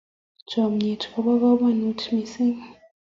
chamiet kobo kamangut mosing